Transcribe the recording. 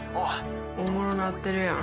おもろなってるやん。